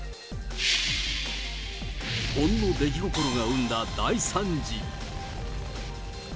ほんの出来心が生んだ大惨事。